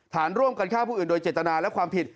ฐานร่วมกันฆ่าผู้อื่นโดยเจตนาและความผิด